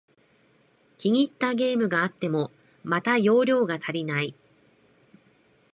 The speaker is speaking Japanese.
気に入ったゲームがあっても、また容量が足りない